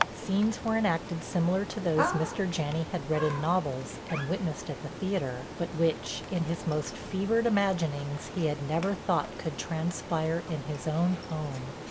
Scenes were enacted similar to those Mr. Janney had read in novels and witnessed at the theater, but which, in his most fevered imaginings, he had never thought could transpire in his own home.